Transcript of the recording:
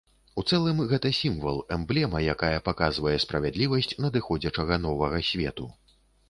У цэлым, гэта сімвал, эмблема, якая паказвае справядлівасць надыходзячага новага свету.